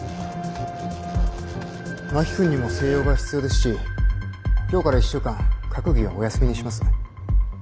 真木君にも静養が必要ですし今日から１週間閣議はお休みにします。